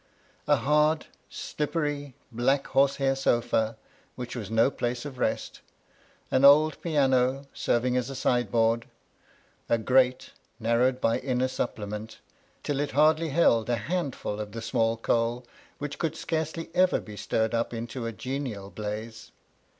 a hard, slippery, black horse hair sofa, which was no place of rest; an old piano, serving as a sideboard ; a grate, narrowed by an inner supplement, till it. hardly held a handliil of the small coal which could scarcely ever be stirred up into a genial blaze.